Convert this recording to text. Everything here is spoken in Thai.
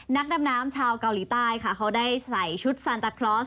นักดำน้ำชาวเกาหลีใต้ค่ะเขาได้ใส่ชุดฟันตาคลอส